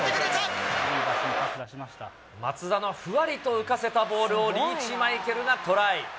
松田のふわりと浮かせたボールをリーチマイケルがトライ。